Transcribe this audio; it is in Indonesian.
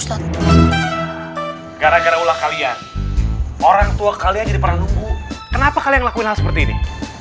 sejarah gara gara ulah kalian orang tua kalian jadi peranggu kenapa kalian lakuin hal seperti ini